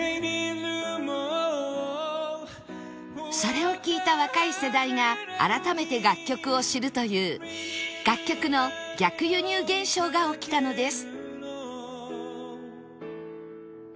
それを聴いた若い世代が改めて楽曲を知るという楽曲の逆輸入現象が起きたのです